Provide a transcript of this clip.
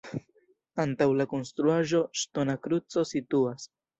Antaŭ la konstruaĵo ŝtona kruco situas.